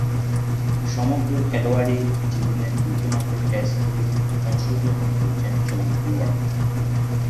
সমগ্র খেলোয়াড়ী জীবনে দুইটিমাত্র টেস্টে অংশগ্রহণ করেছেন জন ওয়ার।